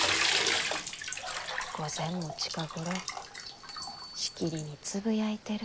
御前も近頃しきりにつぶやいてる。